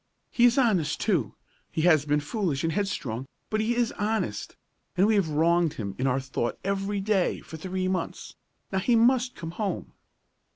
He is honest, too. He has been foolish and headstrong, but he is honest, and we have wronged him in our thought every day for three months. Now he must come home!"